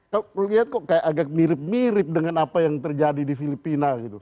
kalau lihat kok kayak agak mirip mirip dengan apa yang terjadi di filipina gitu